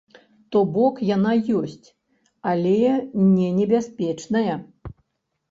То бок яна ёсць, але не небяспечная.